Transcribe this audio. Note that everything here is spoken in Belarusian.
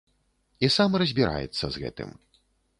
І сам разбіраецца з гэтым.